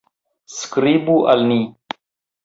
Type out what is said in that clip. Skribu al ni.